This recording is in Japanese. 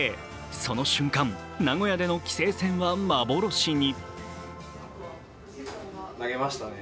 その瞬間、名古屋での棋聖戦は幻に。